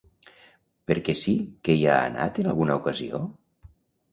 Per què sí que hi ha anat en alguna ocasió?